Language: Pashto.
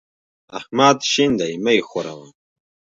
احمد شين دی؛ مه يې ښوروه.